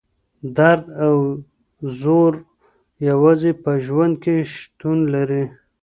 درد او ځور یوازې په ژوند کي شتون لري.